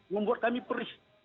membuat kami perih